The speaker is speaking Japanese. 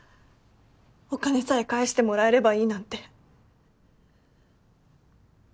お金さえ返してもらえればいいなんて。